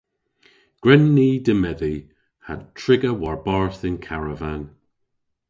Gwren ni demedhi ha triga war-barth yn karavan.